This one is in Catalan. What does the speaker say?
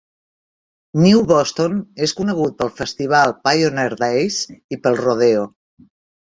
New Boston és conegut pel festival Pioneer Days i pel Rodeo.